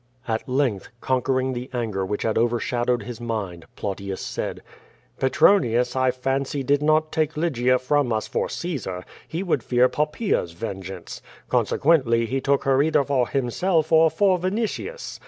At length, conquering the anger which had overshadowed his mind, Plautius said: QUO TADIS. 41 "Petronius, I fancy, did not take Lygia from us for Caesar; he would fear Poppaea's vengeance. Consequently, he took her either for himself or for Vinitius.